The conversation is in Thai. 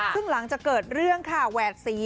ซึ่งหลังจากเกิดเรื่องค่ะแหวดสี